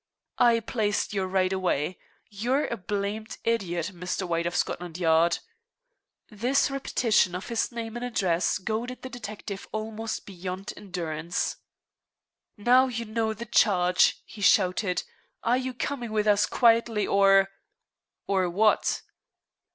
"I placed you right away. You are a blamed idiot, Mr. White of Scotland Yard." This repetition of his name and address goaded the detective almost beyond endurance. "Now you know the charge," he shouted, "are you coming with us quietly, or " "Or what?"